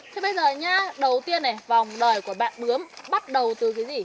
thế bây giờ nha đầu tiên này vòng đời của bạn bướm bắt đầu từ cái gì